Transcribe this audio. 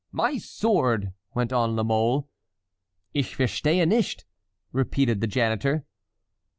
"My sword," went on La Mole. "Ich verstehe nicht," repeated the janitor.